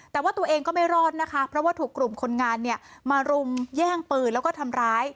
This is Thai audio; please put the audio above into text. แต่ว่าตัวเองก็ไม่รอดนะคะเพราะว่าถูกกลุ่มคนงานเนี่ยมารุมแย่งปืนแล้วก็ทำร้าย